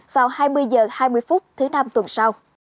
vào hai mươi h hai mươi phút thứ năm tuần sau